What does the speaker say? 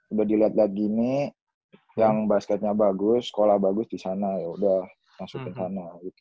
udah dilihat lihat gini yang basketnya bagus sekolah bagus disana yaudah masuk ke sana gitu